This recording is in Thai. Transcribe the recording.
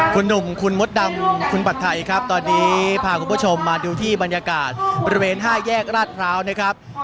คุณหนุ่มคุณมดดำคุณผัดไทยครับตอนนี้พาคุณผู้ชมมาดูที่บรรยากาศบริเวณ๕แยกราชพร้าวนะครับ